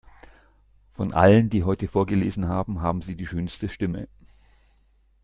Von allen, die heute vorgelesen haben, haben Sie die schönste Stimme.